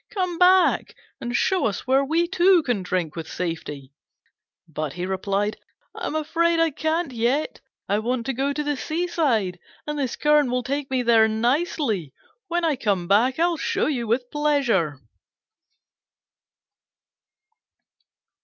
Come back and show us where we too can drink with safety." But he replied, "I'm afraid I can't yet: I want to go to the seaside, and this current will take me there nicely. When I come back I'll show you with pleasure."